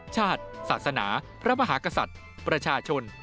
ชาติศาสนาพระมหากษัตริย์ประชาชน